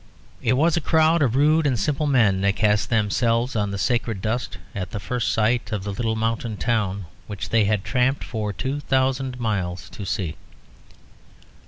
It was a crowd of rude and simple men that cast themselves on the sacred dust at the first sight of the little mountain town which they had tramped for two thousand miles to see.